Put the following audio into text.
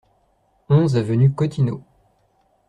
onze avenue Cottineau